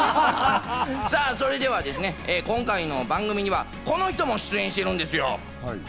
さぁ、それではですね、今回の番組には、この人も出演してるんですよ。